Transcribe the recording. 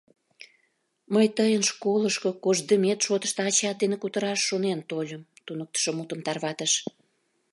— Мый тыйын школышко коштдымет шотышто ачат дене кутыраш шонен тольым, — туныктышо мутым тарватыш.